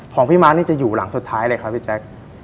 ของพี่ม้านี่จะอยู่หลังสุดท้ายเลยครับพี่แจ๊ค